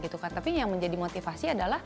tapi yang menjadi motivasi